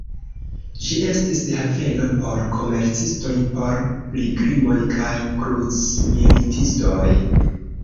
Ĝi estis haveno por komercistoj, por pilgrimoj kaj krucmilitistoj.